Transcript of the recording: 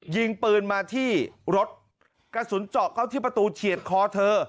ยิงปืนมาที่รถกระสุนเจาะเข้าที่ประตูเฉียดคอเธอ